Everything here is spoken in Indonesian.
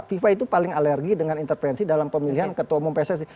fifa itu paling alergi dengan intervensi dalam pemilihan ketua umum pssi